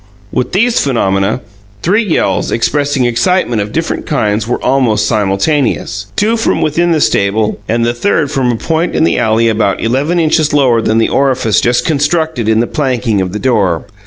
With these phenomena, three yells, expressing excitement of different kinds, were almost simultaneous two from within the stable and the third from a point in the alley about eleven inches lower than the orifice just constructed in the planking of the door.